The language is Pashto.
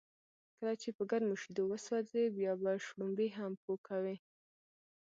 کله چې په گرمو شیدو و سوځې، بیا به شړومبی هم پو کوې.